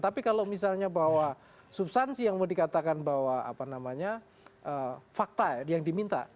tapi kalau misalnya bahwa subsansi yang mau dikatakan bahwa fakta yang diminta